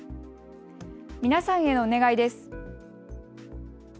皆さんへお願いです。